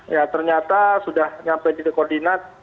ya ternyata sudah sampai titik koordinat